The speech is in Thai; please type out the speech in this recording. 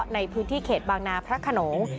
ในพื้นที่เขตบางนาพระขนง